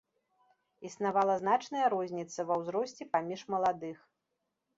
Існавала значная розніца ва ўзросце паміж маладых.